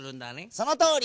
そのとおり！